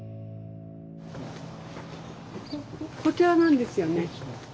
こちらなんですよね。